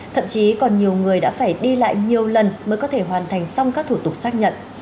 thậm chí còn nhiều người đã phải đi lại nhiều lần mới có thể hoàn thành xong các thủ tục xác nhận